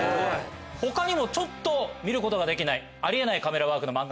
他にも見ることができないあり得ないカメラワークの漫画。